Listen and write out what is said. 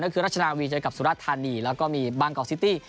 ก็คือรัชนาวีเจอกับสุรธานีแล้วก็มีบางกอกซิตี้